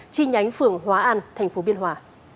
chi nhánh phường hóa an thành phố biên hòa